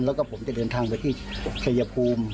แล้วก็ผมจะเดินทางไปที่ชัยภูมิ